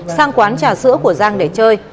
sang quán trà sữa của giang để chơi